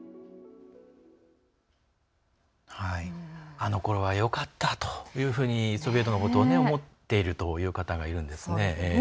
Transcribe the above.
あのころはよかったというふうにソビエトのことを思っているという方がいるんですね。